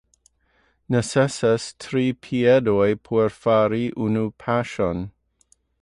Necesas tri piedoj por fari unu paŝon.